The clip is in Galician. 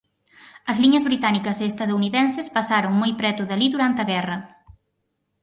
As liñas británicas e estadounidenses pasaran moi preto de alí durante a Guerra